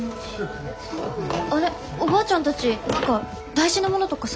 あれおばあちゃんたち何か大事なものとかさ